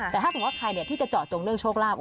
แต่ถ้าสมมุติว่าใครที่จะเจาะจงเรื่องโชคลาภ